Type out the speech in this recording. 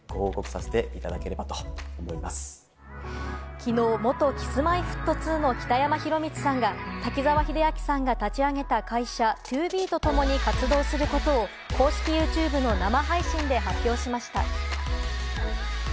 きのう、元Ｋｉｓ−Ｍｙ−Ｆｔ２の北山宏光さんが滝沢秀明さんが立ち上げた会社、ＴＯＢＥと共に活動することを公式ＹｏｕＴｕｂｅの生配信で発表しました。